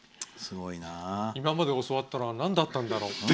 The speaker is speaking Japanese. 今まで教わったのはなんだったんだろう。